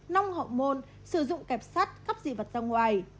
nông hậu môn sử dụng kẹp sắt khắp dị vật ra ngoài